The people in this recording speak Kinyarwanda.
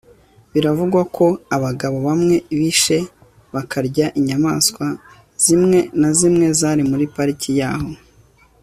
Biravugwa ko abagabo bamwe bishe bakarya inyamaswa zimwe na zimwe zari muri pariki yaho